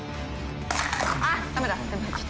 あっ。